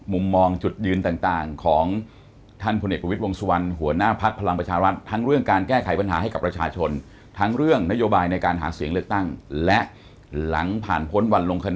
มุมมองจุดยืนต่างของท่านพลเอกประวิทย์วงสุวรรณหัวหน้าพักพลังประชารัฐทั้งเรื่องการแก้ไขปัญหาให้กับประชาชนทั้งเรื่องนโยบายในการหาเสียงเลือกตั้งและหลังผ่านพ้นวันลงแน